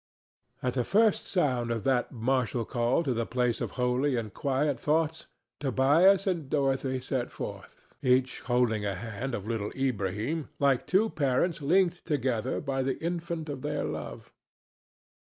At the first sound of that martial call to the place of holy and quiet thoughts Tobias and Dorothy set forth, each holding a hand of little Ilbrahim, like two parents linked together by the infant of their love.